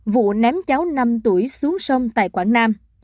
vụ ném cháu năm tuổi xuống sông tại quảng nam